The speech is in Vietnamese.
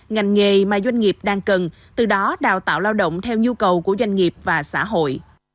ngành nghề mà doanh nghiệp đang cần từ đó đào tạo lao động theo nhu cầu của doanh nghiệp và xã hội